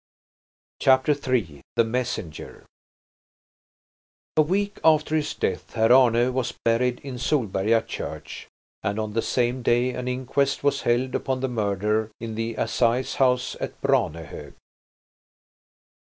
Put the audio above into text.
CHAPTER III THE MESSENGER A week after his death Herr Arne was buried in Solberga church, and on the same day an inquest was held upon the murder in the assize house at Branehog.